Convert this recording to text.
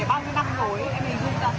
em hình như vậy